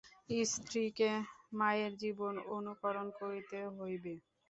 স্ত্রীকে মায়ের জীবন অনুকরণ করিতে হইবে।